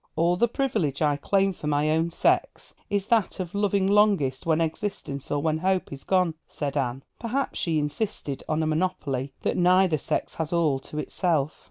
'All the privilege I claim for my own sex is that of loving longest when existence or when hope is gone,' said Anne; perhaps she insisted on a monopoly that neither sex has all to itself.